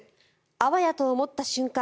あわやと思った瞬間